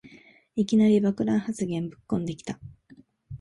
いきなり爆弾発言ぶっこんできた